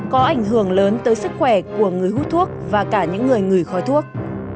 có ảnh hưởng lớn tới sức khỏe của người hút thuốc và cả những người người khói thuốc